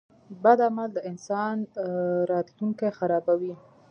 • بد عمل د انسان راتلونکی خرابوي.